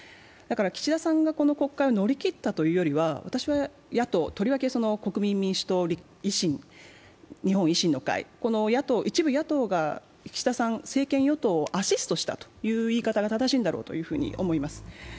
岸田さんがこの国会を乗り切ったというよりは、野党、とりわけ国民民主党、日本維新の会、この一部野党が岸田さん、政権与党をアシストしたという言い方が正しいんだろうと思います。